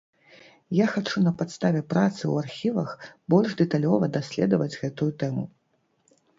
Я хачу на падставе працы ў архівах больш дэталёва даследаваць гэтую тэму.